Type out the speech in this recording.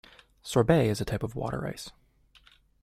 Sorbet is a type of water ice